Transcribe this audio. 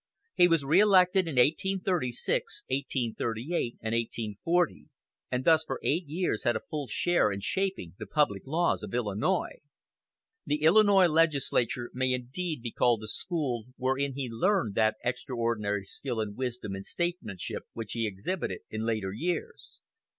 He was reelected in 1836, 1838, and 1840, and thus for eight years had a full share in shaping the public laws of Illinois. The Illinois legislature may indeed be called the school wherein he learned that extraordinary skill and wisdom in statesmanship which he exhibited in later years.